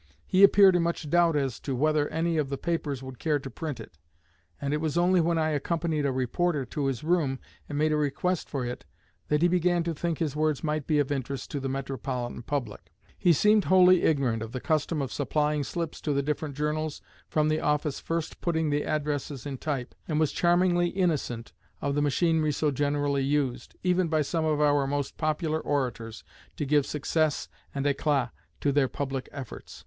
He appeared in much doubt as to whether any of the papers would care to print it; and it was only when I accompanied a reporter to his room and made a request for it, that he began to think his words might be of interest to the metropolitan public. He seemed wholly ignorant of the custom of supplying slips to the different journals from the office first putting the addresses in type, and was charmingly innocent of the machinery so generally used, even by some of our most popular orators, to give success and éclat to their public efforts.